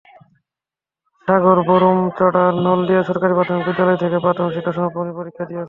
সাগর বরুমচড়ার নলদিয়া সরকারি প্রাথমিক বিদ্যালয় থেকে প্রাথমিক শিক্ষা সমাপনী পরীক্ষা দিয়েছে।